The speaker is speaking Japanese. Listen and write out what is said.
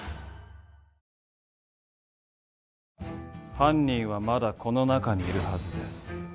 犯人はまだこの中にいるはずです。